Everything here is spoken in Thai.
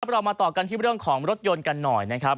เรามาต่อกันที่เรื่องของรถยนต์กันหน่อยนะครับ